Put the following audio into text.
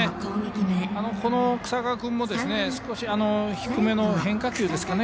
この日下君も少し低めの変化球ですかね